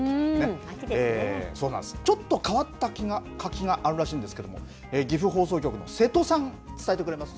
そうなんです、ちょっと変わった柿があるらしいんですけれども、岐阜放送局の瀬戸さん、伝えてくれます。